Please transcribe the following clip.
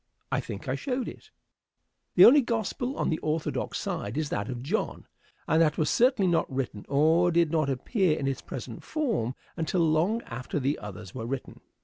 I think I showed it. The only gospel on the orthodox side is that of John, and that was certainly not written, or did not appear in its present form, until long after the others were written.